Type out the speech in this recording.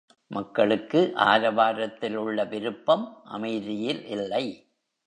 மக்களுக்கு ஆரவாரத்தில் உள்ள விருப்பம் அமைதியில் இல்லை.